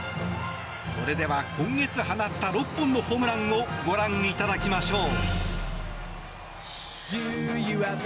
それでは今月放った６本のホームランをご覧いただきましょう。